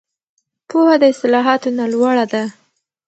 پوهه د اصطلاحاتو نه لوړه ده.